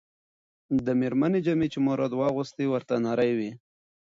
د مېرمنې جامې چې مراد واغوستې، ورته نرۍ وې.